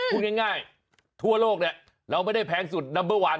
พูดง่ายทั่วโลกเนี่ยเราไม่ได้แพงสุดนัมเบอร์วัน